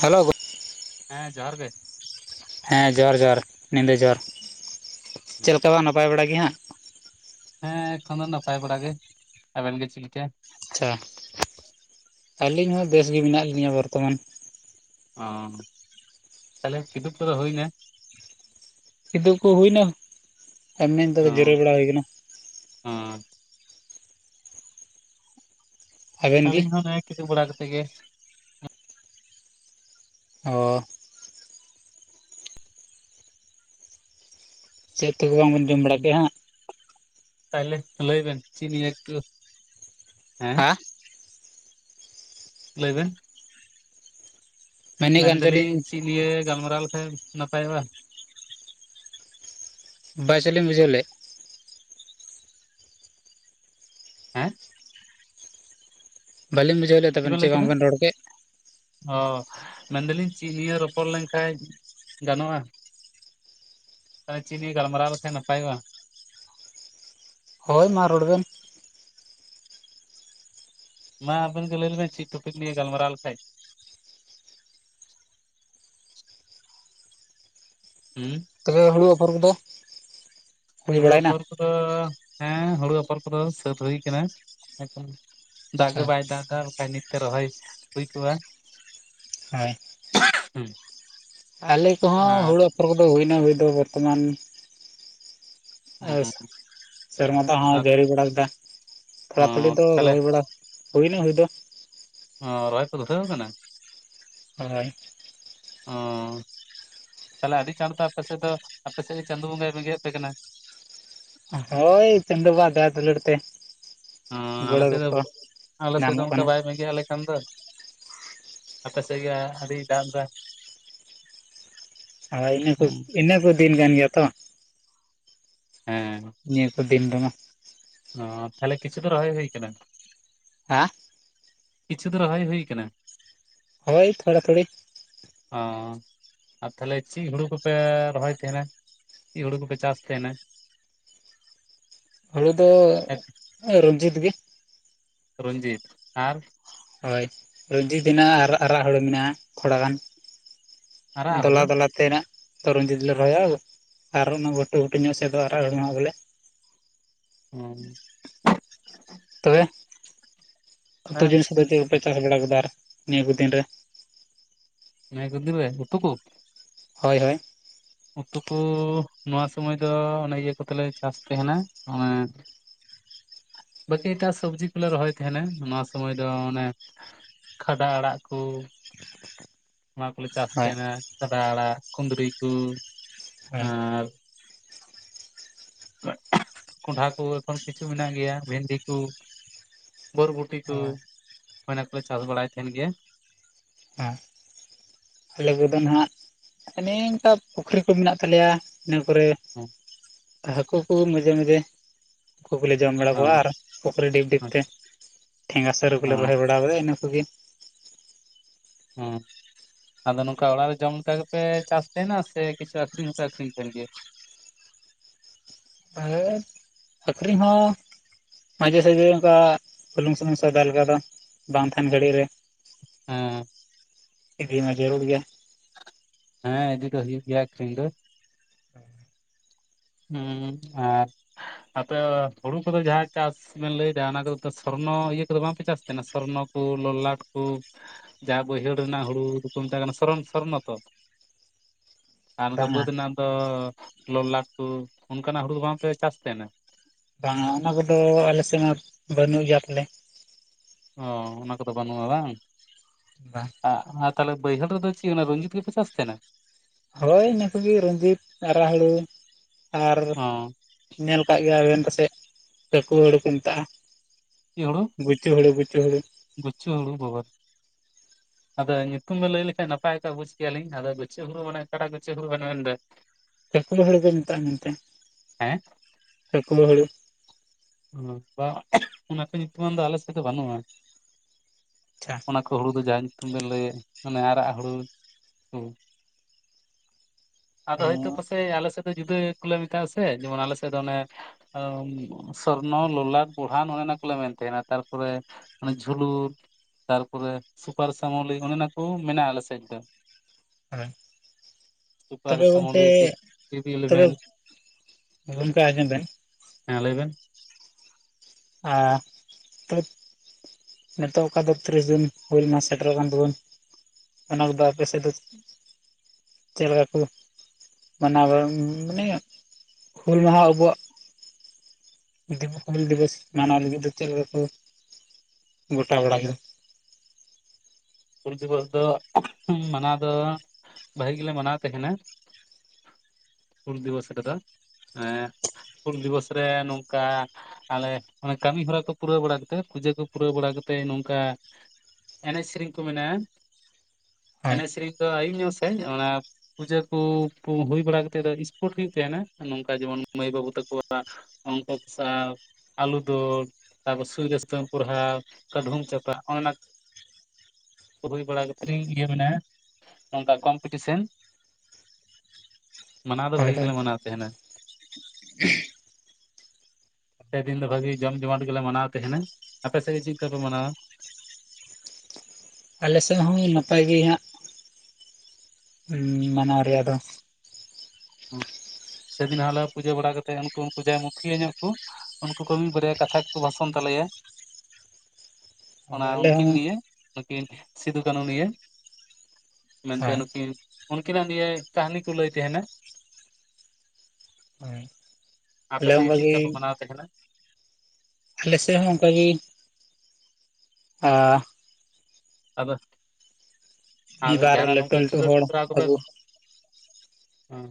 Hello ᱜᱳ ᱦᱮᱸ ᱡᱚᱦᱟᱨ ᱜᱮ ᱦᱮᱸ ᱡᱚᱦᱟᱸᱨ ᱡᱚᱦᱟᱸᱨ ᱧᱤᱫᱟᱹ ᱡᱚᱦᱟᱸᱨ ᱪᱮᱫ ᱦᱮᱸ ᱞᱮᱠᱟ ᱵᱟ ᱱᱟᱯᱟᱭ ᱵᱟᱲᱟ ᱜᱮ ᱦᱟᱸᱜ ᱦᱮᱸ ᱮᱠᱷᱚᱱ ᱫᱚ ᱱᱟᱯᱟᱭ ᱵᱟᱲᱟ ᱜᱮ ᱟᱵᱮᱱ ᱜᱮ ᱪᱮᱫ ᱞᱮᱠᱟ ᱟᱪᱪᱷᱟ ᱟᱹᱞᱤᱧ ᱦᱚᱸ ᱵᱮᱥ ᱜᱤ ᱢᱮᱱᱟᱜ ᱞᱤᱧᱟᱹ ᱵᱚᱨᱛᱚᱢᱟᱱ ᱚ ᱛᱟᱦᱚᱞᱮ ᱠᱤᱫᱩᱵ ᱠᱚᱫᱚ ᱦᱩᱭᱱᱟ ᱥᱤᱫᱩᱵ ᱠᱚ ᱦᱩᱭᱱᱟ [inaudible] ᱡᱤᱨᱟᱹᱣ ᱵᱟᱲᱟ ᱦᱩᱭ ᱟᱠᱟᱱᱟ ᱦᱩᱸ ᱟᱵᱮᱱ ᱜᱮ ᱟᱹᱞᱤᱧ ᱦᱚᱸ ᱱᱚᱜᱚᱭ ᱠᱤᱫᱩᱵ ᱵᱟᱲᱟ ᱠᱟᱛᱮᱫ ᱜᱮ ᱚ ᱪᱮᱫ ᱛᱮᱠᱚ ᱵᱟᱝ ᱵᱚᱱ ᱡᱚᱢ ᱵᱟᱲᱟ ᱠᱮᱜᱼᱟ ᱦᱟᱸᱜ ᱛᱟᱦᱞᱮ ᱞᱟᱹᱭ ᱵᱮᱱ ᱪᱮᱫ ᱱᱤᱭᱟ [inaudible] ᱦᱟ ᱞᱟᱹᱭ ᱵᱮᱱ ᱢᱮᱱᱮᱫ ᱢᱮᱱ ᱠᱟᱱ ᱫᱟᱞᱤᱧ ᱪᱚᱞᱤᱧ ᱪᱮᱫ ᱞᱤᱭᱟᱹ ᱜᱟᱞᱢᱟᱨᱟᱣ ᱞᱮᱠᱷᱟᱡ ᱱᱟᱯᱟᱭᱚᱜ-ᱟ ᱵᱟᱭ ᱪᱟᱹᱞᱤᱢ ᱵᱩᱡᱷᱟᱹᱣ ᱞᱮᱜ ᱦᱮᱸ ᱵᱟᱹᱞᱤᱧ ᱵᱩᱡᱷᱟᱹᱣ ᱞᱮᱫ ᱪᱮᱫ ᱵᱮᱱ ᱛᱟᱵᱮᱱ ᱞᱟᱹᱭ ᱠᱮᱫᱟ ᱵᱟᱝᱵᱮᱱ ᱨᱚᱲ ᱠᱮᱫ ᱚ ᱢᱮᱱᱫᱟᱞᱤᱧ ᱪᱮᱫ ᱱᱤᱭᱟᱹ ᱨᱚᱯᱚᱲ ᱞᱮᱱᱠᱷᱟᱱ ᱜᱟᱱᱚᱜᱼᱟ ᱪᱤ ᱱᱤᱭᱟᱹ ᱜᱟᱞᱢᱟᱨᱟᱣ ᱞᱮᱠᱷᱟᱱ ᱱᱟᱯᱟᱭᱚᱜᱼᱟ ᱦᱳᱭ ᱢᱟ ᱨᱚᱲ ᱵᱮᱱ ᱢᱟ ᱟᱵᱮᱱ ᱜᱮ ᱞᱟᱹᱭ ᱞᱮᱵᱤᱱ ᱪᱮᱫ ᱴᱚᱯᱤᱠ ᱱᱤᱭ ᱜᱟᱞᱢᱟᱨᱟᱣ ᱞᱮᱠᱷᱟᱡ ᱦᱩᱸ ᱛᱚᱵᱮ ᱦᱩᱲᱩ ᱟᱯᱷᱚᱨ ᱠᱚᱫᱚ ᱦᱩᱭ ᱦᱩᱲᱩ ᱵᱟᱲᱟᱭᱮᱱᱟ ᱟᱯᱷᱚᱨ ᱠᱚᱫᱚ ᱦᱮᱸ ᱦᱩᱲᱩ ᱟᱯᱷᱚᱨ ᱠᱚᱫᱚ ᱥᱟᱹᱛ ᱦᱩᱭ ᱠᱟᱱᱟ ᱫᱟᱜ ᱜᱮ ᱟᱪᱪᱷᱟ ᱵᱟᱭ ᱫᱟᱜ ᱮᱫᱟ ᱵᱟᱠᱷᱟᱡ ᱱᱤᱛ ᱛᱮ ᱨᱚᱦᱚᱭ ᱦᱩᱭ ᱠᱚᱜᱼᱟ ᱦᱳᱭ ᱦᱩᱸ ᱟᱞᱮ ᱠᱚᱦᱚᱸ ᱦᱩᱲᱩ ᱟᱯᱷᱚᱨ ᱠᱚᱫᱚ ᱦᱩᱭᱱᱟ ᱦᱩᱭ ᱫᱚ ᱵᱚᱨᱛᱚᱢᱟᱱ ᱟᱨ ᱥᱮᱨᱢᱟ ᱫᱟᱜ ᱦᱚᱸ ᱡᱷᱟᱹᱲᱤ ᱵᱟᱲᱟ ᱠᱮᱫᱟ ᱛᱷᱚᱲᱟ ᱛᱷᱚᱲᱤ ᱫᱚ ᱟᱨ ᱛᱟᱦᱚᱞᱮ ᱨᱚᱦᱚᱭ ᱵᱟᱲᱟ ᱦᱩᱭᱱᱟ ᱦᱩᱭ ᱫᱚ ᱚ ᱨᱚᱦᱚᱭ ᱠᱚᱫᱚ ᱩᱴᱷᱟᱹᱣ ᱠᱟᱱᱟ ᱦᱳᱭ ᱚ ᱛᱟᱦᱚᱞᱮ ᱟᱹᱰᱤ ᱪᱟᱬ ᱪᱟᱬ ᱟᱯᱮ ᱥᱮᱫ ᱫᱚ ᱟᱯᱮ ᱥᱮᱫ ᱫᱚ ᱪᱟᱸᱫᱳ ᱵᱚᱸᱜᱟᱭ ᱵᱮᱸᱜᱮᱫ ᱟᱯᱮ ᱠᱟᱱᱟ ᱦᱳᱭ ᱪᱟᱸᱫᱳᱣᱟᱜ ᱫᱟᱭᱟ ᱫᱩᱞᱟᱹᱲ ᱛᱮ ᱦᱩᱸ ᱟᱞᱮ ᱜᱚᱲᱚ ᱥᱮᱫ ᱫᱚ ᱜᱚᱯᱚ ᱟᱞᱮ ᱥᱮᱫ ᱫᱚ ᱧᱟᱢᱚᱜ ᱚᱱᱠᱟ ᱠᱟᱱᱟ ᱵᱟᱭ ᱵᱮᱸᱜᱮᱫ ᱟᱞᱮ ᱠᱟᱱᱫᱚ ᱟᱯᱮ ᱥᱮᱫ ᱜᱮ ᱟᱹᱰᱤ ᱫᱟᱜ ᱫᱟᱭ ᱟᱨ ᱤᱱᱟᱹ ᱠᱚ ᱤᱱᱟᱹ ᱠᱚ ᱫᱤᱱ ᱠᱟᱱ ᱜᱮᱭᱟ ᱛᱚ ᱦᱮᱸ ᱱᱤᱭᱟᱹ ᱠᱚ ᱫᱤᱱ ᱨᱮᱢᱟ ᱚ ᱛᱟᱦᱞᱮ ᱠᱤᱪᱷᱩ ᱫᱚ ᱨᱚᱦᱚᱭ ᱦᱩᱭ ᱠᱟᱱᱟ ᱦᱮᱸ ᱠᱤᱪᱷᱩ ᱫᱚ ᱨᱚᱦᱚᱭ ᱦᱩᱭ ᱠᱟᱱᱟ ᱦᱳᱭ ᱛᱷᱚᱲᱟ ᱛᱷᱩᱲᱤ ᱚ ᱟᱨ ᱛᱟᱦᱚᱞᱮ ᱪᱮᱫ ᱦᱩᱲᱩ ᱠᱚᱯᱮ ᱨᱚᱦᱚᱭ ᱛᱟᱦᱮᱸᱱᱟ ᱪᱤᱜ ᱦᱩᱲᱩ ᱠᱚᱯᱮ ᱪᱟᱥ ᱛᱟᱦᱮᱸᱱᱟ ᱦᱩᱲᱩ ᱫᱚ ᱨᱚᱱᱡᱤᱛ ᱜᱮ ᱨᱚᱧᱡᱤᱛ ᱟᱨ ᱦᱳᱭ ᱨᱚᱧᱡᱤᱛ ᱦᱮᱱᱟᱜᱼᱟ ᱟᱨ ᱟᱨᱟᱜ ᱦᱩᱲᱩ ᱢᱮᱱᱟᱜᱼᱟ ᱛᱷᱚᱲᱟ ᱜᱟᱱ ᱟᱨᱟᱜ ᱦᱩᱲᱩ ᱫᱚᱞᱟ ᱫᱚᱞᱟ ᱛᱮᱱᱟᱜ ᱫᱚ ᱨᱚᱧᱡᱤᱛ ᱞᱮ ᱨᱚᱦᱚᱭᱟ ᱟᱨ ᱚᱱᱟ ᱜᱷᱩᱴᱩ ᱜᱷᱩᱴᱩ ᱧᱚᱜ ᱥᱮᱫ ᱫᱚ ᱟᱨᱟᱜ ᱦᱳᱲᱳ ᱵᱚᱞᱮ ᱚ ᱛᱚᱵᱮ ᱩᱛᱩ ᱡᱤᱱᱤᱥ ᱠᱚᱫᱚ ᱪᱮᱫ ᱠᱚᱯᱮ ᱪᱟᱥ ᱵᱟᱲᱟ ᱠᱟᱫᱟ ᱟᱨ ᱱᱤᱭᱟᱹ ᱠᱚ ᱫᱤᱱ ᱨᱮ ᱱᱟᱹᱭ ᱜᱟᱹᱽᱫᱨᱟᱹ ᱩᱛᱩ ᱠᱩ᱾ ᱦᱚᱭ ᱦᱚᱭ᱾ ᱩᱛᱩ ᱠᱚ ᱱᱚᱣᱟ ᱥᱚᱢᱟᱹᱭ ᱫᱚ ᱚᱱᱮ ᱤᱭᱟᱹ ᱠᱚᱛᱮᱞᱮ ᱪᱟᱥ ᱛᱮᱦᱮᱱᱟ ᱚᱱᱮᱼᱼ ᱵᱟᱹᱠᱤ ᱮᱴᱟᱜ ᱥᱚᱵᱽᱡᱤ ᱠᱚᱞᱮ ᱨᱚᱦᱚᱭ ᱛᱮᱦᱮᱸᱱᱟ ᱱᱚᱣᱟ ᱥᱚᱢᱚᱭ ᱫᱚ ᱚᱱᱮᱼᱼ ᱠᱷᱟᱰᱟ ᱟᱲᱟᱜ ᱠᱩ ᱚᱱᱟ ᱠᱚᱞᱮᱼᱼ ᱪᱟᱥ ᱦᱳᱭ ᱛᱟᱦᱮᱸᱱᱟ ᱠᱷᱟᱰᱟ ᱟᱲᱟᱜ ᱠᱩᱸᱫᱽᱨᱤ ᱠᱚ ᱦᱳᱭ ᱟᱨᱼᱼ ᱠᱚᱸᱰᱷᱦᱟ ᱠᱩ ᱮᱠᱷᱚᱱ ᱠᱤᱪᱷᱩ ᱢᱮᱱᱟᱜ ᱜᱮᱭᱟ ᱵᱷᱤᱱᱰᱤ ᱠᱩ ᱵᱚᱨᱵᱩᱴᱤ ᱠᱩ᱾ ᱦᱳᱭ ᱦᱩᱭ ᱱᱟ ᱠᱚᱞᱮ ᱪᱟᱥ ᱵᱟᱲᱟᱭ ᱛᱟᱦᱮᱸᱱ ᱜᱮ ᱦᱟᱸ ᱟᱞᱮ ᱠᱚᱫᱚ ᱱᱟᱦᱟᱸᱜ ᱚᱱᱮ ᱚᱱᱠᱟ ᱯᱩᱠᱷᱨᱤ ᱠᱚ ᱢᱤᱱᱟᱜ ᱛᱟᱞᱮᱭᱟ᱾ ᱤᱱᱟᱹ ᱯᱚᱨᱮ ᱦᱮᱸ ᱦᱟᱠᱩ ᱠᱩ ᱢᱟᱡᱷᱮ ᱢᱟᱡᱷᱮᱼᱼ ᱠᱩ ᱠᱩᱞᱮ ᱡᱚᱢ ᱵᱟᱲᱟ ᱠᱚᱣᱟ ᱦᱮᱸ ᱟᱨ ᱯᱩᱠᱷᱨᱤ ᱰᱷᱤᱯ ᱰᱷᱤᱯ ᱛᱮ ᱟᱪᱪᱷᱟ ᱴᱷᱮᱸᱜᱟ ᱥᱟᱹᱨᱩ ᱠᱚᱞᱮ ᱦᱮᱸ ᱨᱚᱦᱚᱭ ᱵᱟᱼᱼ [inaudible] ᱜᱮ ᱦᱮᱸ ᱟᱫᱚ ᱱᱚᱝᱠᱟ ᱚᱲᱟᱜ ᱨᱮ ᱡᱚᱢ ᱞᱮᱠᱟ ᱜᱮᱯᱮ ᱪᱟᱥ ᱛᱟᱦᱮᱱᱟ ᱥᱮ ᱠᱤᱪᱷᱩ ᱟᱠᱷᱨᱤᱧ ᱦᱚᱸᱯᱮ ᱟᱠᱷᱨᱤᱧ ᱠᱟᱱ ᱜᱮᱭᱟ ᱛᱟᱦᱮᱞᱮᱼᱼ ᱟᱹᱠᱷᱨᱤᱧ ᱦᱚᱸᱼᱼ ᱢᱟᱡᱷᱮ ᱥᱟᱡᱷᱮ ᱚᱱᱠᱟ ᱵᱩᱞᱩᱝ ᱥᱩᱞᱩᱝ ᱥᱚᱭᱫᱟ ᱞᱮᱠᱟ ᱫᱚ ᱵᱟᱝ ᱛᱟᱦᱮᱱ ᱜᱷᱟᱹᱲᱤᱜ ᱨᱮᱼᱼ ᱦᱩᱸ᱾ ᱤᱫᱤ ᱢᱟ ᱡᱟᱹᱨᱩᱲ ᱜᱮᱭᱟ᱾ ᱦᱮᱸ ᱤᱫᱤ ᱫᱚ ᱦᱩᱭᱩᱜ ᱜᱮᱭᱟ ᱟᱹᱠᱷᱨᱤᱧ ᱫᱚ᱾ ᱦᱮᱸ᱾ [unintelligible] ᱦᱩᱸ ᱟᱨ ᱟᱯᱮ ᱦᱩᱲᱩ ᱠᱚᱫᱚ ᱡᱟᱦᱟᱸ ᱪᱟᱥᱼᱼ ᱪᱤᱜ ᱵᱮᱱ ᱞᱟᱹᱭ ᱫᱟ ᱚᱱᱟ ᱫᱚ ‌ᱛᱚ ᱥᱚᱨᱱᱚ ᱤᱭᱟᱹ ᱠᱩᱫᱚ ᱵᱟᱝ ᱯᱮ ᱪᱟᱥ ᱛᱮᱦᱮᱱᱟ ᱥᱚᱨᱱᱚ ᱠᱩ ᱞᱚᱞᱼᱞᱟᱴ ᱠᱩ᱾ ᱡᱟᱦᱟᱸ ᱵᱟᱹᱭᱦᱟᱹᱲ ᱨᱮᱱᱟᱜ ᱦᱩᱲᱩ ᱫᱩᱠᱩ ᱢᱮᱛᱟᱜ ᱠᱟᱱᱟ ᱥᱚᱨᱚᱢ ᱥᱚᱨᱱᱚ ᱛᱚ᱾ ᱟᱨ ᱱᱚ ᱫᱚ ᱵᱟᱝᱟ ᱵᱟᱹᱫᱽ ᱨᱮᱱᱟᱜ ᱫᱚ ᱞᱚᱞᱟᱴᱼᱼ ᱠᱩ ᱚᱱᱠᱟ ᱱᱟᱜ ᱦᱩᱲᱩ ᱫᱚ ᱵᱟᱝ ᱯᱮ ᱪᱟᱥ ᱛᱮᱦᱮᱱᱟ? ᱵᱟᱝᱟ ᱚᱱᱟ ᱠᱩᱫᱚ ᱟᱞᱮ ᱥᱮᱱ ᱵᱟᱹᱱᱩᱜ ᱜᱮᱭᱟ ᱛᱟᱦᱚᱞᱮ᱾ ᱚ ᱚᱱᱟ ᱠᱩᱫᱚ ᱵᱟᱱᱩᱜ-ᱟ ᱵᱟᱝ᱾ ᱵᱟᱝ᱾ ᱟᱜ ᱟᱨ ᱛᱟᱦᱚᱞᱮ ᱵᱟᱹᱭᱦᱟᱹᱲ ᱨᱮᱫᱚ ᱪᱤᱜ ᱚᱱᱟ ᱨᱚᱧᱡᱤᱛ ᱜᱤᱯᱮ ᱪᱟᱥ ᱛᱮᱦᱮᱱᱟ? ᱦᱳᱭ ᱤᱱᱟᱹ ᱠᱩᱜᱤ ᱨᱚᱡᱤᱛ ᱟᱨᱟᱜ ᱦᱩᱲᱩ ᱟᱨᱼᱼ ᱚ ᱱᱮᱞ ᱠᱟᱜ ᱜᱮᱭᱟ ᱵᱮᱱ ᱯᱟᱥᱮᱜ ᱴᱷᱟᱹᱠᱣᱟᱹ ᱦᱩᱲᱩ ᱠᱩ ᱢᱮᱛᱟᱜ-ᱟ᱾ ᱪᱮᱫ ᱦᱩᱲᱩ ᱜᱩᱪᱩ ᱦᱩᱲᱩ ᱜᱩᱪᱩ ᱦᱩᱲᱩ᱾ ᱜᱩᱪᱩ ᱦᱩᱲᱩ ᱵᱟ ᱵᱟ᱾ ᱟᱫᱚ ᱧᱩᱛᱩᱢ ᱵᱮᱱ ᱞᱟᱹᱭ ᱞᱮᱠᱠᱷᱟᱱ ᱱᱟᱯᱟᱭ ᱠᱚᱜ-ᱟ ᱵᱩᱪ ᱠᱮᱭᱟ ᱞᱤᱧ ᱟᱫᱚ ᱜᱩᱪᱩ ᱦᱩᱲᱩ ᱢᱟᱱᱮ ᱠᱟᱴᱟᱜ ᱜᱩᱪᱩ ᱦᱩᱲᱩ ᱵᱮᱱ ᱢᱮᱱ ᱫᱟ? ᱪᱟᱹᱠᱩᱣᱟᱹ ᱦᱩᱲᱩ ᱠᱚ ᱢᱮᱛᱟᱜ-ᱟ ᱢᱮᱱᱛᱮ, ᱦᱮᱸ ᱪᱟᱹᱠᱩᱣᱟᱹ ᱦᱩᱲᱩ᱾ ᱚᱸ ᱵᱟᱝ ᱚᱱᱟ ᱠᱚ ᱧᱩᱛᱩᱢᱟᱱ ᱫᱚ ᱟᱞᱮ ᱥᱮᱜ ᱫᱚ ᱵᱟᱱᱩᱜ-ᱟ᱾ ᱪᱷᱟ᱾ ᱚᱱᱟ ᱠᱚ ᱦᱩᱲᱩ ᱫᱚ ᱡᱟᱦᱟᱸ ᱧᱩᱛᱩᱢ ᱵᱮᱱ ᱞᱟᱹᱭᱮᱜ ᱢᱟᱱᱮ ᱟᱨᱟᱜ ᱦᱩᱲᱩ ᱠᱩ᱾ ᱟᱫᱚ ᱦᱮᱸ ᱦᱳᱭᱛᱳ ᱯᱟᱥᱮᱜ ᱟᱞᱮ ᱥᱮᱜ ᱫᱚ ᱡᱩᱫᱟᱹ ᱠᱩᱞᱮ ᱢᱮᱛᱟᱜ-ᱟ ᱥᱮ ᱡᱮᱢᱚᱱ ᱟᱞᱮ ᱥᱮᱜ ᱫᱚ ᱚᱱᱮᱼᱼ ᱚᱣᱢ ᱥᱚᱨᱱᱚ ᱞᱚᱞᱼᱞᱟᱴ ᱵᱩᱲᱦᱟᱱ ᱚᱱᱮ ᱚᱱᱟ ᱠᱩᱞᱮ ᱢᱮᱱ ᱛᱮᱦᱮᱱᱟ ᱛᱟᱨᱯᱚᱨᱮᱼᱼ ᱚᱱᱮ ᱡᱷᱩᱞᱩ ᱛᱟᱨᱯᱚᱨᱮ ᱥᱩᱯᱟᱨᱤ ᱥᱟᱢᱚᱞᱤ ᱚᱱᱮ ᱚᱱᱟ ᱠᱚ ᱢᱮᱱᱟᱜ-ᱟ ᱟᱞᱮ ᱥᱮᱡ ᱫᱚ᱾ ᱦᱳᱭ᱾ ᱥᱩᱯᱟᱨ ᱛᱚᱵᱮ ᱥᱟᱢᱚᱞᱤ ᱜᱚᱝᱠᱮᱜ ᱵᱤᱵᱤ ᱛᱚᱵᱮ ᱤᱞᱮᱵᱷᱮᱱ ᱜᱚᱝᱠᱮ ᱟᱸᱡᱚᱢ ᱵᱮᱱ᱾ ᱦᱮᱸ ᱞᱟᱹᱭ ᱵᱮᱱ᱾ ᱟ ᱛᱚᱵᱮᱛᱼᱼ ᱱᱤᱛᱚᱜ ᱚᱠᱟ ᱫᱚ ᱛᱤᱨᱤᱥ ᱡᱩᱱ ᱦᱩᱞ‌ ᱢᱟᱦᱟᱸ ᱥᱮᱴᱮᱨᱚᱜ ᱠᱟᱱ ᱛᱟᱹᱵᱩᱱᱼᱼ ᱚᱱᱟ ᱠᱩᱫᱚ ᱟᱯᱮ ᱥᱮᱜ ᱫᱚᱼ ᱪᱮᱜ ᱞᱮᱠᱟ ᱠᱩ ᱢᱟᱱᱟᱣ ᱵᱟ ᱩᱸ ᱢᱟᱱᱮ ᱦᱩᱞ ᱢᱟᱦᱟᱸ ᱟᱵᱚᱣᱟᱜ᱾ ᱫᱮᱵᱩ ᱠᱩ ᱦᱩᱞ‌ ᱫᱤᱵᱚᱥ ᱢᱟᱱᱟᱣ ᱞᱟᱹᱜᱤᱫ ᱫᱚ ᱪᱮᱜ ᱞᱮᱠᱟ, ᱜᱚᱴᱟ ᱵᱟᱲᱟ ᱠᱮᱫᱟ? ᱦᱩᱞ ᱫᱤᱵᱚᱥ ᱫᱚ ᱢᱟᱱᱟᱣ ᱫᱚ ᱵᱷᱟᱹᱜᱤ ᱜᱮ ᱞᱮ ᱢᱟᱱᱟᱣ ᱛᱟᱦᱮ ᱱᱟ ᱦᱩᱞ ᱫᱤᱵᱚᱥ ᱨᱮ ᱫᱚ ᱮᱸ ᱦᱩᱞ ᱫᱤᱵᱚᱥ ᱨᱮ ᱱᱚᱝᱠᱟ ᱟᱞᱮ ᱚᱱᱟ ᱠᱟᱹᱢᱤ ᱦᱚᱨᱟ ᱠᱚ ᱯᱩᱨᱟᱹᱣ ᱵᱟᱲᱟ ᱠᱟᱛᱮᱫ ᱯᱩᱡᱟᱹ ᱠᱚ ᱯᱩᱨᱟᱹᱣ ᱵᱟᱲᱟ ᱠᱟᱛᱮᱫ ᱱᱚᱝᱠᱟ ᱮᱱᱮᱡ ᱥᱮᱨᱮᱧ ᱠᱚ ᱢᱮᱱᱟᱜᱼᱟ ᱦᱳᱭ ᱮᱱᱮᱡ ᱥᱮᱨᱮᱧ ᱫᱚ ᱟᱹᱭᱩᱵ ᱧᱚᱜ ᱥᱮᱡ ᱚᱱᱟ ᱯᱩᱡᱟᱹ ᱠᱚ ᱦᱩᱭ ᱵᱟᱲᱟ ᱠᱟᱛᱮᱫ ᱫᱚ ᱤᱥᱯᱳᱨᱴ ᱦᱩᱭᱩᱜ ᱛᱟᱦᱮ ᱱᱟ ᱱᱚᱝᱠᱟ ᱡᱮᱢᱚᱱ ᱢᱟᱹᱭ ᱵᱟᱹᱵᱩ ᱛᱟᱠᱚ ᱣᱟᱜ [unintelligible] ᱟᱞᱩ ᱫᱟᱹᱞ ᱛᱟᱯᱚᱨ ᱥᱩᱭ ᱨᱮ ᱥᱩᱛᱟᱹ ᱢᱮ ᱯᱚᱨᱦᱟ ᱠᱟᱹᱰᱷᱩᱢ ᱪᱟᱯᱟ ᱚᱱᱟ ᱦᱩᱭ ᱵᱟᱲᱟ ᱠᱟᱛᱤᱧ ᱤᱭᱟᱹ ᱢᱮᱱᱟ ᱱᱚᱝᱠᱟ ᱠᱚᱢ ᱯᱤᱴᱤ ᱥᱮᱱ ᱢᱟᱱᱟᱣ ᱫᱚ ᱦᱳᱭ ᱵᱷᱟᱹᱜᱤ ᱜᱮ ᱦᱳᱭ ᱞᱮ ᱢᱟᱱᱟᱣ ᱛᱟᱦᱮ ᱱᱟ ᱥᱮᱫᱤᱱ ᱫᱚ ᱵᱷᱟᱜᱤ ᱡᱚᱢ ᱡᱚᱢᱟᱴ ᱜᱮᱞᱮ ᱢᱟᱱᱟᱣ ᱛᱟᱦᱮᱱᱟ ᱟᱯᱮ ᱥᱮᱫ ᱜᱮ ᱪᱮᱫ ᱞᱮᱠᱟ ᱯᱮ ᱢᱟᱱᱟᱣᱟ ᱟᱞᱮᱥᱮᱫ ᱦᱚᱸ ᱱᱟᱯᱟᱭ ᱜᱤ ᱦᱟᱸᱜ ᱦᱩᱸ ᱢᱟᱱᱟᱶ ᱨᱮᱭᱟᱜ ᱟᱫᱚᱼᱼ ᱩᱸ ᱥᱮᱭ ᱫᱤᱱ ᱦᱟᱸᱜ ᱞᱮ ᱯᱩᱡᱟᱹ ᱵᱟᱲᱟ ᱠᱟᱛᱮᱜ ᱩᱱᱠᱩ ᱩᱱᱠᱩ ᱡᱟᱦᱟᱸᱭ ᱢᱩᱠᱷᱤᱭᱟᱹ ᱧᱚᱜ ᱠᱩᱼᱼ ᱩᱱᱠᱩ ᱠᱚ ᱢᱤᱜ ᱵᱟᱨᱭᱟ ᱠᱟᱛᱷᱟ ᱜᱮᱠᱚ ᱵᱷᱟᱥᱚᱱ ᱛᱟᱞᱮᱭᱟ᱾ ᱚᱱᱟ ᱟᱞᱮ ᱦᱚᱸ ᱩᱱᱠᱤᱱ ᱱᱤᱭᱮ ᱱᱩᱠᱤᱱ ᱥᱤᱫᱩ ᱠᱟᱹᱱᱩ ᱱᱤᱭᱮᱹ ᱢᱮᱱᱛᱮ ᱦᱳᱭ ᱱᱩᱠᱤᱱ ᱩᱱᱠᱤᱱᱟᱜ ᱱᱤᱭᱟᱹ ᱠᱟᱹᱦᱱᱤ ᱠᱚ ᱞᱟᱹᱭ ᱛᱟᱦᱮ ᱱᱟ ᱦᱳᱭ ᱟᱯᱮ ᱟᱞᱮ ᱥᱮᱫ ᱜᱮ ᱪᱮᱫ ᱚᱱᱠᱟᱜᱮ ᱞᱮᱠᱟ ᱯᱮ ᱢᱟᱱᱟᱣ ᱛᱟᱦᱮᱸ ᱛᱟᱦᱮ ᱱᱟ ᱟᱞᱮ ᱥᱮᱫ ᱦᱚᱸ ᱚᱱᱠᱟᱜ ᱜᱮ ᱟᱼᱼ ᱟᱫᱚ ᱢᱤᱫ ᱟᱫᱚ ᱵᱟᱨ ᱡᱟᱦᱟ ᱱᱟᱜ ᱱᱚᱝ ᱞᱟᱹᱴᱩ ᱠᱟ ᱞᱟᱹᱴᱩ ᱠᱷᱮᱞᱳᱰ ᱦᱚᱲ ᱦᱮᱯᱨᱟᱣ ᱠᱚᱯᱮ ᱟᱵᱚ ᱦᱮᱸ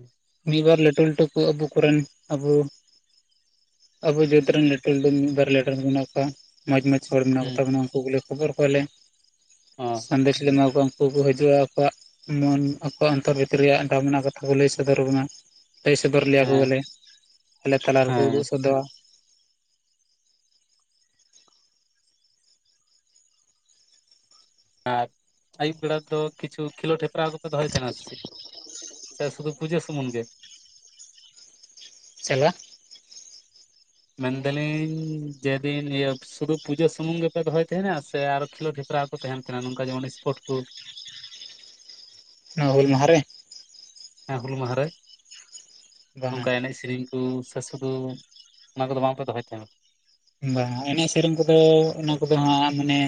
ᱢᱤᱫ ᱵᱟᱨ ᱞᱟᱹᱴᱩ ᱞᱟᱹᱴᱩ ᱠᱚ ᱟᱵᱩ ᱠᱚᱨᱮᱱ ᱟᱵᱩ ᱟᱵᱚ ᱡᱟᱹᱛ ᱨᱮᱱ ᱞᱟᱹᱴᱩ ᱞᱟᱹᱴᱩ ᱢᱤᱫ ᱵᱟᱨ ᱞᱮᱴᱩ ᱦᱚᱲ ᱢᱮᱱᱟᱜ ᱠᱚᱣᱟ ᱢᱚᱸᱡᱽ ᱢᱚᱸᱡᱽ ᱦᱚᱲ ᱢᱮᱱᱟᱜ ᱦᱩᱸ ᱠᱚᱛᱟ ᱵᱚᱱᱟ ᱩᱱᱠᱩ ᱜᱮᱞᱮ ᱠᱷᱚᱵᱚᱨ ᱠᱚᱣᱟᱞᱮ ᱦᱚᱸ ᱥᱟᱸᱫᱮᱥ ᱞᱮ ᱮᱢᱟ ᱠᱚᱣᱟ ᱩᱱᱠᱩ ᱠᱚ ᱦᱤᱡᱩᱜᱼᱟ ᱟᱠᱚᱣᱟᱜ ᱢᱚᱱ ᱟᱠᱚᱣᱟᱜ ᱚᱱᱛᱚᱨ ᱵᱷᱤᱛᱤᱨ ᱨᱮᱭᱟᱜ ᱫᱟᱢ ᱨᱮᱱᱟᱜ ᱠᱟᱛᱷᱟ ᱠᱚ ᱞᱟᱹᱭ ᱥᱚᱻ ᱥᱚᱫᱚᱨᱱᱟ ᱞᱟᱹᱭ ᱥᱚᱫᱚᱨ ᱞᱮᱭᱟ ᱠᱚ ᱦᱮᱸ ᱵᱞᱮ ᱟᱞᱮ ᱛᱟᱞᱟ ᱨᱮ ᱠᱚ ᱩᱫᱩᱜ ᱦᱮᱸ ᱥᱚᱫᱚᱨᱟ ᱟᱨ ᱟᱹᱭᱩᱵ ᱵᱮᱲᱟ ᱨᱮᱫᱚ ᱠᱤᱪᱷᱩ ᱠᱷᱮᱞᱳᱰ ᱦᱮᱯᱨᱟᱣ ᱠᱚᱯᱮ ᱫᱚᱦᱚᱭ ᱛᱟᱦᱮᱱᱟ ᱥᱮ ᱪᱮᱫ ᱥᱮ ᱥᱩᱫᱩ ᱯᱩᱡᱟᱹ ᱥᱩᱢᱩᱱ ᱜᱮ ᱪᱮᱞᱮᱠᱟ ᱢᱮᱱ ᱫᱟᱞᱤᱧ ᱡᱮᱫᱤᱱ ᱤᱭᱟᱹ ᱥᱩᱫᱩ ᱯᱩᱡᱟᱹ ᱥᱩᱢᱩᱝ ᱜᱮ ᱯᱮ ᱫᱚᱦᱚᱭ ᱛᱟᱦᱮ ᱱᱟ ᱥᱮ ᱟᱨᱚ ᱠᱷᱮᱞᱳᱰ ᱦᱼᱼ ᱦᱮᱯᱨᱟᱣ ᱠᱚ ᱛᱟᱦᱮᱱ ᱛᱟᱦᱮᱱᱟ ᱱᱚᱝᱠᱟ ᱡᱮᱢᱚᱱ ᱥᱯᱳᱨᱴ ᱠᱚ ᱱᱚᱣᱟ ᱦᱩᱞ ᱢᱟᱦᱟ ᱨᱮ ᱦᱮᱸ ᱦᱩᱞ ᱢᱟᱦᱟ ᱨᱮ ᱵᱟᱝᱟ ᱱᱚᱝᱠᱟ ᱮᱱᱮᱡ ᱥᱮᱨᱮᱧ [unintelligible] ᱥᱮ ᱥᱩᱫᱷᱩ ᱚᱱᱟ ᱠᱚᱫᱚ ᱵᱟᱝ ᱯᱮ ᱫᱚᱦᱚᱭ ᱛᱟᱦᱮᱱᱟ ᱵᱟᱝ ᱮᱱᱮᱡ ᱥᱮᱨᱮᱧ ᱠᱚᱫᱚ ᱚᱱᱟ ᱠᱚᱫᱚ ᱦᱟᱸᱜ ᱢᱟᱱᱮ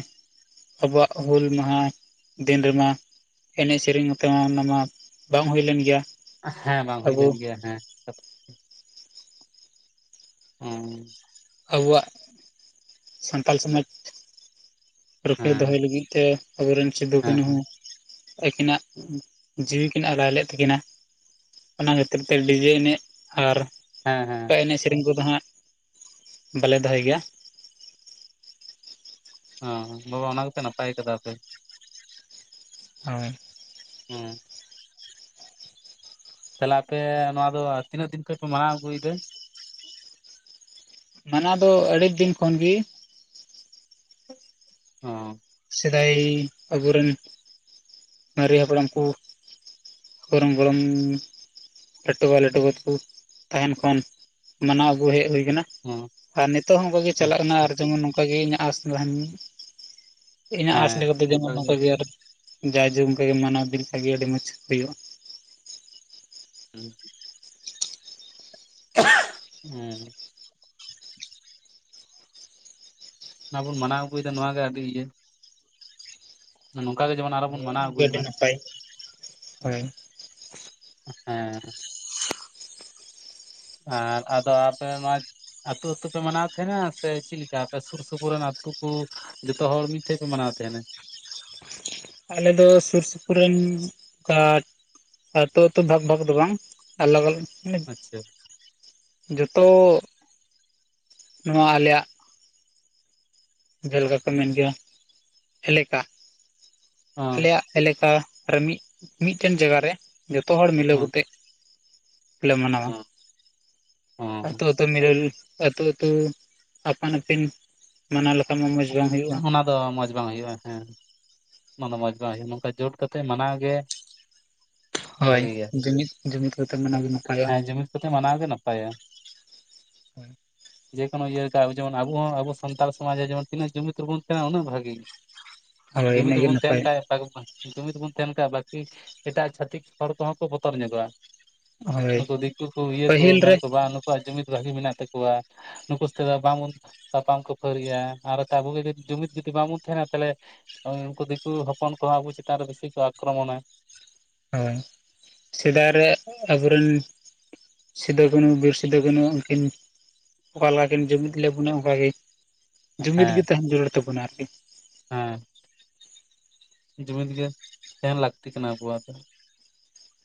ᱟᱵᱚᱣᱟᱜ ᱦᱩᱞ ᱢᱟᱦᱟ ᱫᱤᱱ ᱨᱮ ᱢᱟ ᱮᱱᱮᱡ ᱥᱮᱨᱮᱧ ᱛᱮ ᱢᱟ ᱚᱱᱟ ᱢᱟ ᱵᱟᱝ ᱦᱩᱭ ᱞᱮᱱ ᱜᱮᱭᱟ ᱦᱮᱸ ᱵᱟᱝ ᱦᱩᱭ ᱟᱵᱚ ᱞᱮᱱ ᱜᱮᱭᱟ ᱦᱮᱸ ᱦᱮᱸ ᱟᱵᱚᱣᱟᱜ ᱥᱟᱱᱛᱟᱞ ᱥᱚᱢᱟᱡᱽ ᱨᱩᱠᱷᱤᱭᱟᱹ ᱦᱮᱸ ᱫᱚᱦᱚᱭ ᱞᱟᱹᱜᱤᱫ ᱛᱮ ᱟᱵᱚ ᱨᱮᱱ ᱥᱤᱫᱩ ᱦᱮᱸ ᱠᱟᱹᱱᱦᱩ ᱟᱹᱠᱤᱱᱟᱜ ᱡᱤᱣᱤ ᱠᱤᱱ ᱟᱞᱟᱭ ᱞᱮᱫ ᱛᱟᱹᱠᱤᱱᱟ ᱚᱱᱟ ᱠᱷᱟᱹᱛᱤᱨ ᱛᱮ ᱰᱤᱡᱮ ᱮᱱᱮᱡ ᱟᱨ ᱦᱮᱸ ᱦᱮᱸ ᱚᱸᱠᱟ ᱮᱱᱮᱡ ᱥᱮᱨᱮᱧ ᱠᱚ ᱫᱚ ᱦᱟᱸᱜ ᱵᱟᱞᱮ ᱫᱚᱦᱚᱭ ᱜᱮᱭᱟ ᱦᱮ ᱵᱟᱵᱟ ᱚᱱᱟ ᱫᱚᱯᱮ ᱱᱟᱯᱟᱭ ᱠᱟᱫᱟ ᱯᱮ ᱦᱳᱭ ᱦᱮᱸ ᱛᱟᱦᱚᱞᱮ ᱟᱯᱮ ᱱᱚᱣᱟ ᱫᱚ ᱛᱤᱱᱟᱹᱜ ᱫᱤᱱ ᱠᱷᱚᱱᱚᱡ ᱯᱮ ᱢᱟᱱᱟᱣ ᱟᱹᱜᱩᱭ ᱫᱟ ᱢᱟᱱᱟᱣ ᱫᱚ ᱟᱹᱰᱤ ᱫᱤᱱ ᱠᱷᱚᱱ ᱜᱤ ᱦᱚᱸ ᱥᱮᱫᱟᱭ ᱟᱵᱩᱨᱮᱱ ᱢᱟᱨᱮ ᱦᱟᱯᱲᱟᱢ ᱠᱚ ᱠᱚᱨᱚᱢ ᱜᱚᱨᱚᱢ ᱞᱟᱹᱴᱩ ᱵᱟ ᱞᱟᱹᱴᱩ ᱜᱚ ᱛᱟᱠᱚ ᱛᱟᱦᱮᱱ ᱠᱷᱚᱱ ᱢᱟᱱᱟᱣ ᱟᱜᱩ ᱦᱮᱡ ᱦᱩᱭ ᱟᱠᱟᱱᱟ ᱦᱚᱸ ᱟᱨ ᱱᱤᱛᱚᱜ ᱦᱚᱸ ᱚᱱᱠᱟ ᱜᱮ ᱪᱟᱞᱟᱜ ᱠᱟᱱᱟ ᱟᱪᱪᱷᱟ ᱟᱨ ᱡᱮᱢᱚᱱ ᱱᱚᱝᱠᱟ ᱜᱮ ᱤᱧᱟᱹᱜ ᱟᱸᱥ ᱛᱟᱦᱮᱱ ᱢᱟ ᱤᱧᱟᱹᱜ ᱟᱥ ᱦᱮᱸ ᱞᱮᱠᱟᱛᱮ ᱚᱱᱠᱟ ᱡᱮᱢᱚᱱ ᱱᱚᱝᱠᱟ ᱜᱮ ᱟᱨ ᱡᱟᱭ ᱡᱩᱜᱽ ᱚᱱᱠᱟᱜᱮ ᱢᱟᱱᱟᱣ ᱤᱫᱤ ᱞᱮᱠᱷᱟᱱ ᱜᱮ ᱟᱹᱰᱤ ᱢᱚᱸᱡᱽ ᱦᱩᱭᱩᱜᱼᱟ ᱦᱮᱸ ᱦᱮᱸ ᱚᱱᱟ ᱵᱩᱱ ᱢᱟᱱᱟᱣ ᱟᱹᱜᱩᱭᱮᱫᱟ ᱱᱚᱣᱟ ᱜᱮ ᱟᱹᱰᱤ ᱤᱭᱟᱹ ᱱᱚᱝᱠᱟ ᱜᱮ ᱡᱮᱢᱚᱱ ᱟᱨᱚ ᱵᱚᱱ ᱦᱳᱭ ᱢᱟᱱᱟᱣ ᱚᱱᱟᱜᱮ ᱟᱹᱜᱩᱭ ᱟᱹᱰᱤ ᱢᱟ ᱱᱟᱯᱟᱭ [unintelligible] ᱦᱳᱭ ᱦᱮᱸ ᱟᱨ ᱟᱫᱚ ᱟᱯᱮ ᱱᱚᱣᱟ ᱟᱹᱛᱩ ᱟᱹᱛᱩ ᱯᱮ ᱢᱟᱱᱟᱣ ᱛᱟᱦᱮᱸᱱᱟ ᱥᱮ ᱪᱮᱫ ᱠᱟ ᱟᱯᱮ ᱥᱩᱨ ᱥᱩᱯᱩᱨ ᱨᱮᱱ ᱟᱹᱛᱩ ᱠᱚ ᱡᱷᱚᱛᱚ ᱦᱚᱲ ᱢᱤᱫ ᱴᱷᱮᱱ ᱯᱮ ᱢᱟᱱᱟᱣ ᱛᱮ ᱟᱞᱮ ᱫᱚ ᱥᱩᱨ ᱥᱩᱯᱩᱨ ᱨᱮᱱ ᱚᱱᱠᱟ ᱟᱹᱛᱩ ᱟᱹᱛᱩ ᱵᱷᱟᱜᱽ ᱵᱷᱟᱜᱽ ᱫᱚ ᱵᱟᱝ ᱟᱞᱟᱜ ᱟᱞᱟᱜ ᱦᱮ ᱟᱪᱪᱷᱟ ᱡᱚᱛᱚ ᱱᱚᱣᱟ ᱟᱞᱮᱭᱟᱜ ᱡᱷᱟᱹᱞᱠᱟ ᱠᱚ ᱢᱮᱱ ᱜᱮᱭᱟ ᱦᱮᱞᱮᱠᱟ ᱦᱚᱸ ᱟᱞᱮᱭᱟᱜ ᱮᱞᱮᱠᱟ ᱨᱮ ᱢᱤᱫ ᱢᱤᱫᱴᱮᱱ ᱡᱟᱭᱜᱟ ᱨᱮ ᱡᱚᱛᱚ ᱦᱚᱲ ᱢᱤᱞᱟᱹᱣ ᱦᱚᱸ ᱠᱟᱛᱮᱜ ᱞᱮ ᱢᱟᱱᱟᱣᱟ ᱟᱹᱛᱩ ᱦᱚᱸ ᱟᱹᱛᱩ ᱢᱤᱨᱟᱹᱞ ᱟᱹᱛᱩ ᱟᱹᱛᱩ ᱟᱯᱟᱱ ᱟᱹᱯᱤᱱ ᱢᱟᱱᱟᱣ ᱞᱮᱠᱷᱟᱱ ᱢᱟ ᱢᱚᱸᱡᱽ ᱵᱟᱝ ᱦᱩᱭᱩᱜᱼᱟ᱾ ᱚᱱᱟ ᱫᱚ ᱢᱚᱸᱡᱽ ᱵᱟᱝ ᱦᱩᱭᱩᱜᱼᱟ ᱦᱮᱸ ᱚᱱᱟ ᱫᱚ ᱢᱚᱸᱡᱽ ᱵᱟᱝ ᱦᱩᱭᱩᱜᱼᱟ ᱱᱚᱝᱠᱟ ᱡᱳᱴ ᱠᱟᱛᱮᱫ ᱢᱟᱱᱟᱣ ᱜᱮ ᱦᱳᱭ ᱵᱷᱟᱜᱮ ᱜᱮᱭᱟ ᱡᱩᱢᱤᱫ ᱡᱩᱢᱤᱫ ᱠᱟᱛᱮ ᱢᱟᱱᱟᱣ ᱜᱮ ᱱᱟᱯᱟᱭᱚᱜᱼᱟ᱾ [unintelligible] ᱢᱟᱱᱟᱣ ᱜᱮ ᱱᱟᱯᱟᱭᱟ ᱡᱮᱠᱳᱱᱳ ᱤᱭᱟᱹ ᱡᱮᱢᱚᱱ ᱟᱵᱚ ᱦᱚᱸ ᱟᱵᱚ ᱥᱟᱱᱛᱟᱲ ᱥᱚᱢᱟᱡ ᱨᱮ ᱡᱮ ᱛᱤᱱᱟᱹᱜ ᱡᱩᱢᱤᱫ ᱨᱮᱵᱚᱱ ᱛᱟᱦᱮᱱᱟ ᱩᱱᱟᱹᱜ ᱵᱷᱟᱜᱤ ᱦᱳᱭ ᱡᱩᱢᱤᱫ ᱤᱱᱟᱹᱜᱮ ᱨᱮᱵᱚᱱ ᱛᱟᱦᱮᱱ ᱱᱟᱯᱟᱭ ᱠᱷᱟᱡ ᱡᱩᱢᱤᱫ ᱵᱚᱱ ᱛᱟᱦᱮᱱ ᱠᱷᱟᱱ ᱵᱟᱹᱠᱤ ᱮᱴᱟᱜ ᱪᱷᱟᱛᱤᱠ ᱦᱚᱲ ᱠᱚᱦᱚᱸ ᱠᱚ ᱵᱚᱛᱚᱨ ᱧᱚᱜᱚᱜᱼᱟ ᱦᱳᱭ ᱱᱩᱠᱩ ᱫᱤᱠᱩ ᱠᱩ ᱤᱭᱟᱹ ᱠᱚ ᱯᱟᱹᱦᱤᱞ ᱢᱮᱱ ᱨᱮ ᱠᱚ ᱱᱩᱠᱩᱣᱟᱜ ᱡᱩᱢᱤᱫ ᱵᱷᱟᱹᱜᱤ ᱢᱮᱱᱟᱜ ᱛᱟᱠᱚᱣᱟ ᱱᱩᱠᱩ ᱥᱟᱛᱮ ᱫᱚ ᱵᱟᱝᱵᱚᱱ ᱛᱟᱯᱟᱢ ᱠᱚ ᱠᱟᱯᱷᱟᱹᱨᱤᱜᱼᱟ ᱟᱨ ᱟᱵᱩᱜᱮ ᱡᱩᱢᱤᱫ ᱡᱩᱫᱤ ᱵᱟᱝᱵᱚ ᱛᱟᱦᱮᱱᱟ ᱛᱟᱦᱮᱞᱮ ᱩᱱᱠᱩ ᱫᱤᱠᱩ ᱦᱚᱯᱚᱱ ᱠᱚ ᱟᱵᱚ ᱪᱮᱛᱟᱱ ᱨᱮ ᱵᱮᱥᱤ ᱠᱚ ᱟ ᱟᱠᱨᱚᱢᱚᱱ ᱦᱳᱭ ᱥᱮᱫᱟᱭ ᱨᱮ ᱟᱵᱚᱨᱮᱱ ᱥᱤᱫᱩ ᱠᱟᱹᱱᱩ ᱵᱤᱨ ᱥᱤᱫᱩ ᱠᱟᱹᱱᱩ ᱩᱱᱠᱤᱱ ᱚᱠᱟᱞᱮᱠᱟᱠᱤᱱ ᱡᱩᱢᱤᱫ ᱞᱮᱵᱚᱱᱟ ᱚᱱᱠᱟᱜᱮ ᱡᱩᱢᱤᱫ ᱜᱮ ᱦᱮᱸ ᱛᱟᱦᱮᱱ ᱡᱟᱹᱨᱩᱲ ᱛᱟᱵᱚᱱᱟ ᱟᱨᱠᱤ ᱦᱮᱸ ᱡᱩᱢᱤᱫ ᱜᱮ ᱛᱟᱦᱮᱱ ᱞᱟᱹᱠᱛᱤ ᱠᱟᱱᱟ ᱟᱵᱚᱣᱟᱜ ᱫᱚ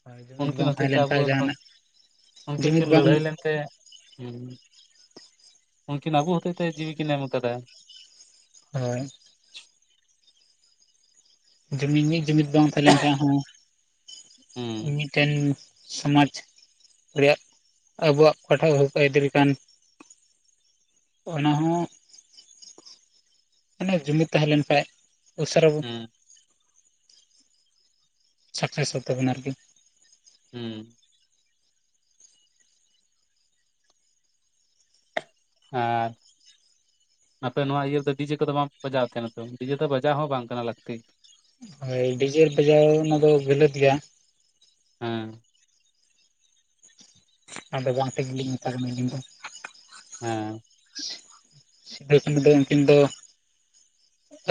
ᱦᱳᱭ ᱡᱩᱢᱤᱫ ᱩᱱᱠᱤᱱ ᱵᱟᱝ ᱦᱚᱛᱮᱡ ᱛᱟᱦᱮᱸ ᱛᱮ ᱞᱮᱱ ᱟᱵᱚ ᱠᱷᱟᱱ ᱮᱠᱷᱚᱱ ᱡᱟᱦᱟᱱᱟᱜ ᱩᱱᱠᱤᱱ ᱡᱩᱢᱤᱫ ᱠᱤᱱ ᱵᱟᱝ ᱞᱟᱹᱲᱦᱟᱹᱭ ᱞᱮᱱᱛᱮ ᱦᱮᱸ ᱩᱱᱠᱤᱱ ᱟᱵᱚ ᱦᱚᱛᱮᱡ ᱛᱮ ᱡᱤᱣᱤᱠᱤᱱ ᱮᱢ ᱟᱠᱟᱫᱟ᱾ ᱦᱳᱭ ᱡᱩᱢᱤᱫ ᱢᱤᱫ ᱡᱩᱢᱤᱫ ᱵᱟᱝ ᱛᱟᱦᱮᱸ ᱞᱮᱱ ᱠᱷᱟᱱ ᱦᱚᱸ ᱦᱩᱸ ᱢᱤᱫᱴᱮᱱ ᱥᱚᱢᱟᱡᱽ ᱨᱮᱭᱟᱜ ᱟᱵᱩᱣᱟᱜ ᱯᱟᱴᱟᱜ ᱠᱚ ᱤᱫᱟᱹᱨ ᱠᱟᱱ ᱚᱱᱟ ᱦᱚᱸ ᱢᱟᱱᱮ ᱡᱩᱤᱫ ᱛᱟᱦᱮᱸ ᱞᱮᱱ ᱠᱷᱟᱡ ᱩᱥᱟᱹᱨᱟ ᱦᱩᱸ ᱥᱟᱠᱥᱮᱥᱚᱜ [unintelligible] ᱛᱟᱵᱚᱱᱟ ᱟᱨᱠᱤ ᱦᱩᱸ ᱦᱮᱸ ᱟᱯᱮ ᱱᱚᱣᱟ ᱤᱭᱟᱹ ᱨᱮ ᱰᱤᱡᱮ ᱠᱚᱫᱚ ᱵᱟᱝ ᱵᱟᱡᱟᱣ ᱛᱟᱦᱮᱱᱟ ᱛᱚ ᱰᱤᱡᱮ ᱫᱚ ᱵᱟᱡᱟᱣ ᱦᱚᱸ ᱵᱟᱝ ᱠᱟᱱᱟ ᱞᱟᱹᱠᱛᱤ᱾ ᱦᱳᱭ ᱰᱤᱡᱮ ᱵᱟᱡᱟᱣ ᱚᱱᱟ ᱫᱚ ᱜᱟᱞᱟᱹᱛ ᱜᱮᱭᱟ ᱦᱮᱸ ᱚᱱᱟ ᱫᱚ ᱵᱟᱝ ᱛᱮ ᱜᱮᱞᱤᱧ ᱢᱮᱛᱟ ᱟᱹᱞᱤᱧ ᱫᱚ ᱦᱮᱸ [unintelligible] ᱫᱚ ᱩᱱᱠᱤᱱ ᱫᱚ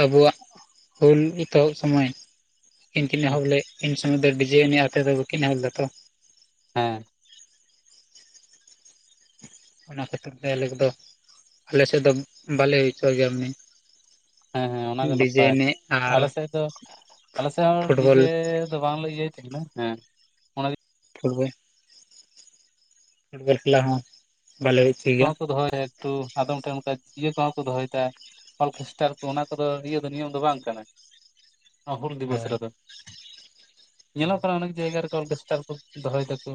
ᱟᱵᱩᱣᱟᱜ ᱦᱩᱞ ᱮᱛᱚᱦᱚᱵ ᱥᱩᱢᱟᱹᱭ᱾ ᱩᱱᱤᱠᱤᱱ ᱠᱤᱱ ᱦᱩᱸ ᱮᱦᱚᱵ ᱞᱮᱫ ᱤᱱ ᱥᱚᱢᱚᱭ ᱫᱚ ᱰᱤᱡᱮ ᱟᱹᱱᱤᱡ ᱟᱛ ᱫᱚ ᱵᱟᱟᱹᱠᱤᱱ ᱮᱦᱚᱵ ᱞᱮᱫᱟᱛᱚ᱾ ᱦᱮᱸ᱾ ᱚᱱᱟ ᱠᱷᱟᱹᱛᱤᱨ ᱛᱮ ᱟᱞᱮ ᱠᱚᱫᱚ ᱟᱞᱮᱥᱮᱫ ᱫᱚ ᱵᱟᱞᱮ ᱦᱩᱭᱪᱚ ᱜᱮᱭᱟ ᱢᱟᱱᱮ᱾ ᱦᱮᱸ ᱦᱮᱸ ᱚᱱᱟᱜᱮ ᱰᱤᱡᱮ ᱱᱟᱯᱟᱭ ᱮᱱᱮᱡ ᱟᱨ ᱟᱞᱮ ᱥᱮᱫ ᱫᱚᱹᱹᱹ ᱟᱞᱮ ᱥᱮᱫ ᱦᱚᱸ ᱯᱷᱩᱴᱵᱚᱞ ᱰᱤᱡᱮ ᱫᱚ ᱵᱟᱝᱞᱮ ᱤᱭᱟᱹᱭ ᱛᱟᱦᱮᱸᱱᱟ ᱦᱮᱸ᱾ ᱚᱱᱟ ᱯᱷᱩᱴᱜᱟᱹ ᱯᱷᱩᱴᱵᱚᱞ ᱠᱷᱮᱞᱟ ᱦᱚᱸ ᱵᱷᱟᱮ ᱦᱩᱭᱩᱜ ᱠᱚᱦ ᱠᱚ ᱫᱚᱦᱚᱭᱟ ᱮᱠᱴᱩ ᱟᱫᱚᱢ ᱴᱷᱮᱱ ᱚᱱᱠᱟ ᱤᱭᱟᱹ ᱠᱚᱦᱚᱸ ᱠᱚ ᱫᱚᱦᱚᱭᱮᱫᱟ᱾ ᱚᱨᱠᱮᱥᱴᱟᱨ ᱠᱚ ᱚᱱᱟ ᱠᱚᱫᱚ ᱤᱭᱟᱹ ᱫᱚ ᱱᱤᱭᱚᱢ ᱫᱚ ᱵᱟᱝ ᱠᱟᱱᱟ᱾ ᱦᱩᱞ ᱫᱤᱵᱚᱥ ᱦᱳᱭ ᱨᱮᱫᱚ ᱦᱮᱸ ᱧᱮᱞᱚᱜ ᱠᱟᱱᱟ ᱚᱱᱮ ᱡᱟᱭᱜᱟ ᱨᱮ ᱚᱨᱠᱮᱥᱴᱟᱨ ᱠᱚ ᱫᱚᱦᱚᱭᱮᱫᱟᱠᱩ᱾